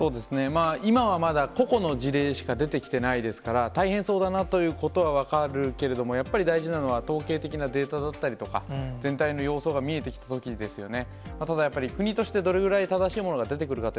今はまだ個々の事例しか出てきてないですか、大変そうだなということは分かるけれども、やっぱり大事なのは、統計的なデータだったりとか、全体の様相が見えてきたときですよね。